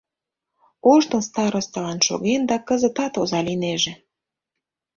Ожно старосталан шоген да кызытат оза лийнеже.